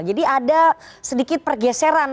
jadi ada sedikit pergeseran